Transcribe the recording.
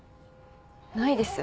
ないです